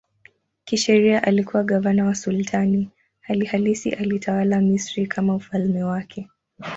Kisheria alikuwa gavana wa sultani, hali halisi alitawala Misri kama ufalme wake.